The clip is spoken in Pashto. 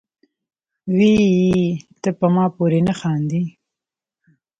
وې ئې " تۀ پۀ ما پورې نۀ خاندې،